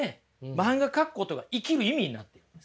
漫画描くことが生きる意味になってるんです。